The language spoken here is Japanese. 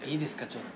ちょっと。